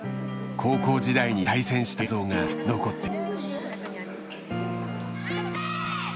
高校時代に対戦した映像が残っている。